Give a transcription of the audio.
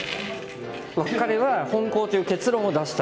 彼は本コウという結論を出した。